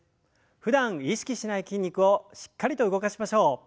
ふだん意識しない筋肉をしっかりと動かしましょう。